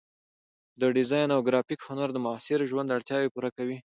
د ډیزاین او ګرافیک هنر د معاصر ژوند اړتیاوې پوره کوي.